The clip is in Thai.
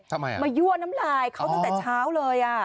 ทำไมมายั่วน้ำลายเขาตั้งแต่เช้าเลยอ่ะ